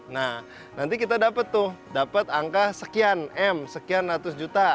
nah nanti kita dapat tuh dapat angka sekian m sekian ratus juta